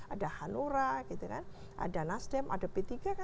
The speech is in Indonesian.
ada hanura ada nasdem ada p tiga kan